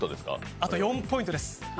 あと４ポイントです。